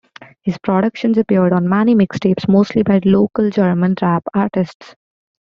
His productions appeared on many mixtapes, mostly by local German rap artists.